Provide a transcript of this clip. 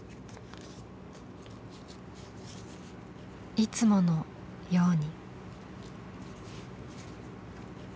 いつものように。